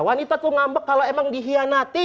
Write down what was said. wanita tuh ngambek kalau emang dihianati